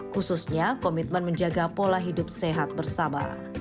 khususnya komitmen menjaga pola hidup sehat bersama